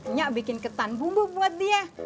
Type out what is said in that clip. minyak bikin ketan bumbu buat dia